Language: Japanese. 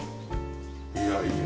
いやいや。